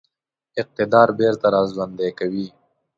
اقتدار بیرته را ژوندی کوي.